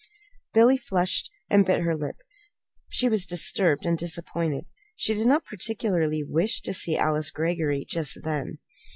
Billy flushed and bit her lip. She was disturbed and disappointed. She did not particularly wish to see Alice Greggory just then.